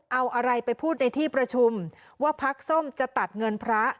เอาอะไรไปพูดในที่ประชุมว่าพักส้มจะตัดเงินพระ